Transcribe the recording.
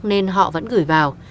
nên họ vẫn gửi vào